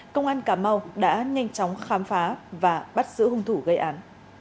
công an cà mau đã nhanh chóng khám phá và bắt giữ hung thủ gây án